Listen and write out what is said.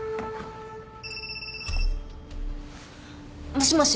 もしもし？